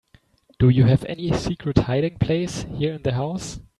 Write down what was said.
Do you have any secret hiding place here in the house?